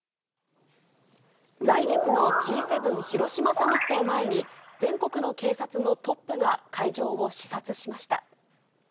来月のＧ７広島サミットを前に、全国の警察のトップが会場を視察しました。